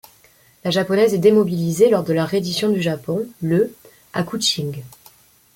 La japonaise est démobilisée lors de la reddition du Japon le à Kuching.